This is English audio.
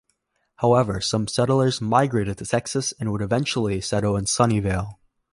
However, some settlers migrated to Texas and would eventually settle in Sunnyvale.